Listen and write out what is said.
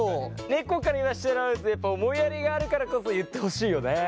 猫から言わせてもらうとやっぱ思いやりがあるからこそ言ってほしいよね。